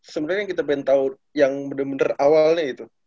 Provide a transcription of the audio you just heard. sebenarnya yang kita pengen tahu yang benar benar awalnya itu